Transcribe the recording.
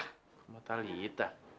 ke rumah talitha